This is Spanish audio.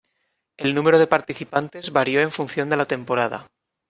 El número de participantes varió en función de la temporada.